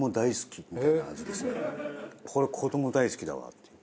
これ子ども大好きだわっていう。